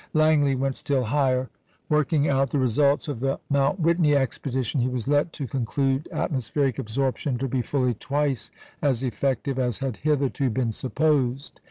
Langley went higher still. Working out the results of the Mount Whitney expedition, he was led to conclude atmospheric absorption to be fully twice as effective as had hitherto been supposed.